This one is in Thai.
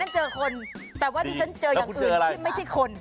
ปีฉันเจออย่างอื่นไม่ใช่คน